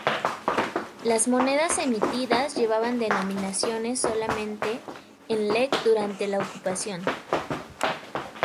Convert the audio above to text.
Las monedas emitidas llevaban denominaciones solamente en lek durante la ocupación.